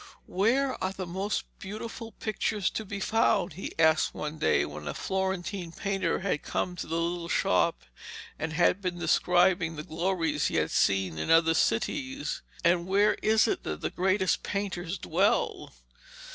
'Where are the most beautiful pictures to be found?' he asked one day when a Florentine painter had come to the little shop and had been describing the glories he had seen in other cities. 'And where is it that the greatest painters dwell?'